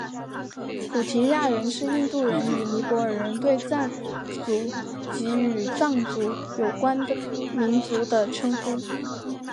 菩提亚人是印度人与尼泊尔人对藏族及与藏族有关民族的称呼。